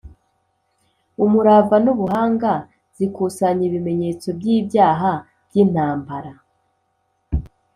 umurava n'ubuhanga zikusanya ibimenyetso by'ibyaha by'intambara